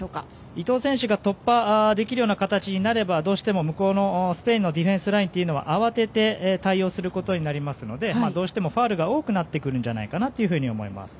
伊東選手が突破できるような形になればどうしても、向こうスペインのディフェンスラインは慌てて対応することになりますのでどうしてもファウルが多くなると思います。